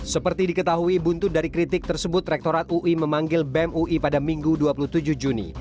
seperti diketahui buntut dari kritik tersebut rektorat ui memanggil bem ui pada minggu dua puluh tujuh juni